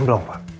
rem belum pak